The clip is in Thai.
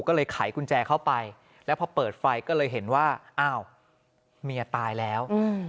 ก็เลยไขกุญแจเข้าไปแล้วพอเปิดไฟก็เลยเห็นว่าอ้าวเมียตายแล้ว